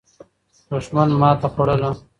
دښمن ماته خوړله.